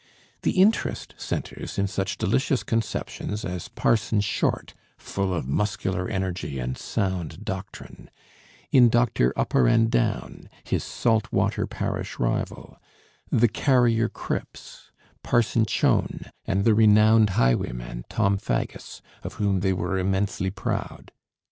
The interest centres in such delicious conceptions as Parson Short, full of muscular energy and sound doctrine, in Dr. Uperandown, his salt water parish rival, the carrier Cripps, Parson Chowne, and the renowned highwayman Tom Faggus, of whom they were immensely proud.